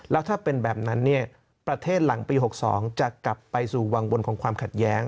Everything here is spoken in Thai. แล้วถ้าเป็นแบบนั้นประเทศหลังปี๖๒จะกลับไปสู่วังบนของความขัดแย้ง